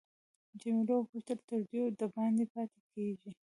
جميله وپوښتل تر ډېره دباندې پاتې کیږې.